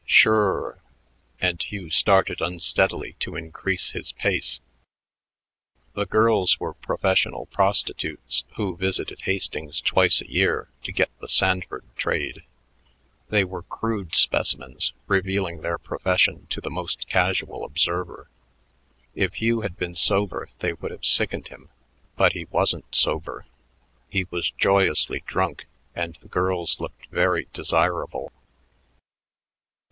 "Shure," and Hugh started unsteadily to increase his pace. The girls were professional prostitutes who visited Hastings twice a year "to get the Sanford trade." They were crude specimens, revealing their profession to the most casual observer. If Hugh had been sober they would have sickened him, but he wasn't sober; he was joyously drunk and the girls looked very desirable.